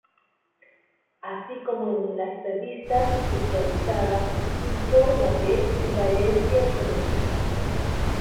Así como en las revistas especializadas In-formate y Valencia Económica.